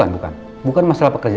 terima kasih profit ya